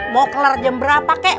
mau kelar jam berapa kek